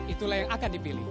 itulah yang akan dipilih